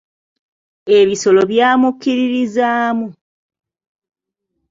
Ebisolo byamukkiririzaamu.